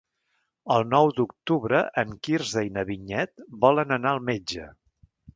El nou d'octubre en Quirze i na Vinyet volen anar al metge.